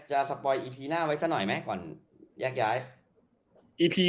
จะสปอยอีพีหน้าไว้ซะหน่อยไหมก่อนแยกย้ายอีพี